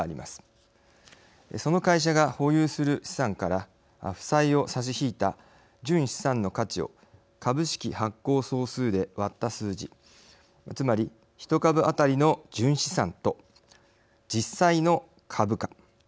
その会社が保有する資産から負債を差し引いた純資産の価値を株式発行総数で割った数字つまり一株あたりの純資産と実際の株価